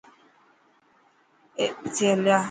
اٿي هليا.